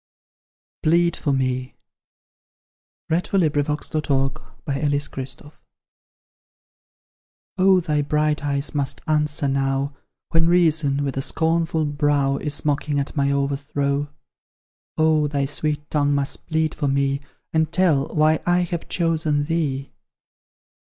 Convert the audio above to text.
PLEAD FOR ME. Oh, thy bright eyes must answer now, When Reason, with a scornful brow, Is mocking at my overthrow! Oh, thy sweet tongue must plead for me And tell why I have chosen thee!